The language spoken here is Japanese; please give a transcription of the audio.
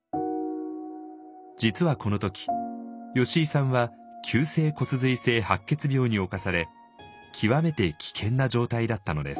実はこの時吉井さんは「急性骨髄性白血病」に侵され極めて危険な状態だったのです。